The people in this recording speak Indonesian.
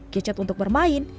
gadget untuk bermain